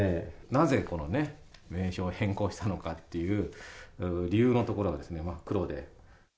なぜ名称を変更したのかという理由のところですね、真っ黒で。